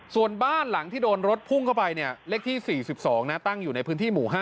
ส่วนบ้านหลังที่โดนรถพุ่งเข้าไปเนี่ยเลขที่๔๒ตั้งอยู่ในพื้นที่หมู่๕